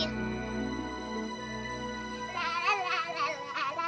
pokoknya aku tidak mau keluar dari sini